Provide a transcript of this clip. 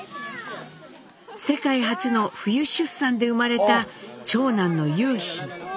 世界初の冬出産で生まれた長男の雄浜。